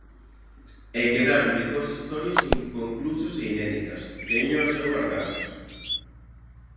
E quedáronlle dúas historias inconclusas e inéditas, téñoas eu gardadas.